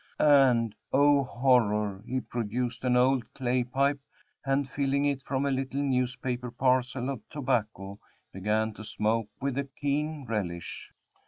And O, horror! he produced an old clay pipe, and filling it from a little newspaper parcel of tobacco, began to smoke with a keen relish.